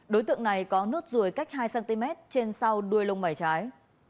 đối tượng này có nốt ruồi cách hai cm trên sau đuôi lông mảy trái